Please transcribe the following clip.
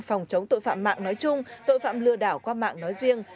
phòng chống tội phạm mạng nói chung tội phạm lừa đảo qua mạng nói riêng